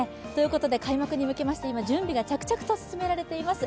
開幕に向けまして、今、準備が着々と進められています。